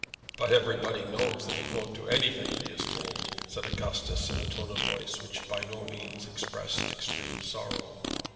"But everybody knows that he won't do anything that he is told," said Augustus, in a tone of voice which by no means expressed extreme sorrow.